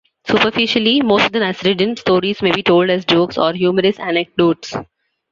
Superficially, most of the Nasreddin stories may be told as jokes or humorous anecdotes.